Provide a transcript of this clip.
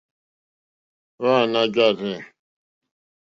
Wàná jáàrzɛ̂.